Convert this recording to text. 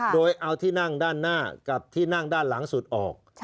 โดยเอาที่นั่งด้านหน้ากับที่นั่งด้านหลังสุดออก